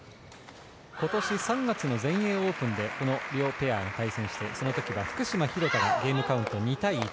今年３月の全英オープンでこの両ペアが対戦してその時は福島、廣田がゲームカウント２対１。